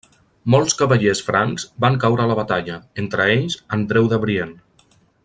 Molts cavallers francs van caure a la batalla, entre ells Andreu de Brienne.